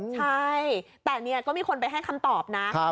ใช่แต่เนี่ยก็มีคนไปให้คำตอบนะ